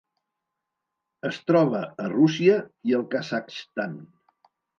Es troba a Rússia i el Kazakhstan.